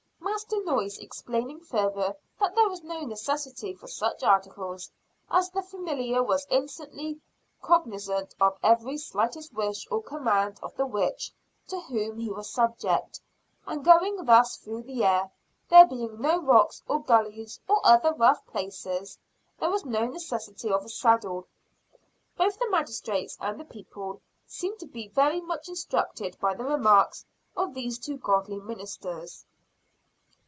Master Noyes explaining further that there was no necessity for such articles, as the familiar was instantly cognizant of every slightest wish or command of the witch to whom he was subject, and going thus through the air, there being no rocks or gullies or other rough places, there was no necessity of a saddle. Both the magistrates and the people seemed to be very much instructed by the remarks of these two godly ministers.